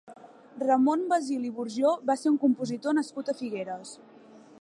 Ramon Basil i Burjó va ser un compositor nascut a Figueres.